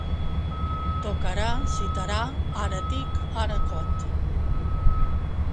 Tocarà cítara?, ara «tic», ara «cot».